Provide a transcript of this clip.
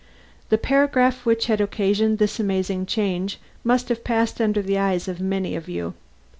The paragraph which had occasioned this amazing change must have passed under the eyes of many of you.